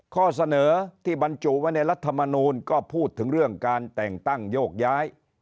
ข้อเสนอที่บรรจุไว้ในรัฐมนูลก็พูดถึงเรื่องการแต่งตั้งโยกย้าย